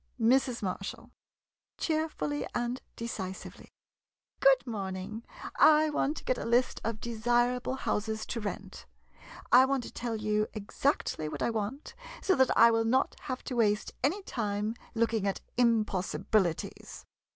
Mrs. Marshall [Cheerfully and decisively.] Good morn ing. I want to get a list of desirable houses 42 IN THE MERRY MONTH OF MAY to rent. I want to tell you exactly what I want, so that I will not have to waste any time looking at impossibilities.